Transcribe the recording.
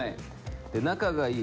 で仲がいい